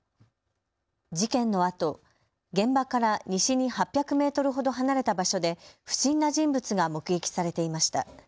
事件のあと現場から西に８００メートルほど離れた場所で不審な人物が目撃されていました。